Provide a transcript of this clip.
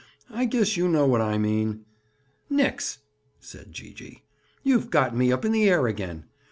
I guess you know what I mean?" "Nix!" said Gee gee. "You've got me up in the air again.